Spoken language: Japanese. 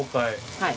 はい。